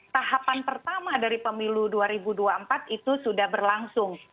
tahapan pertama dari pemilu dua ribu dua puluh empat itu sudah berlangsung